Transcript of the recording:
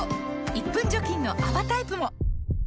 １分除菌の泡タイプも！